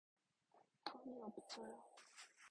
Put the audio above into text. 돈이 없어요.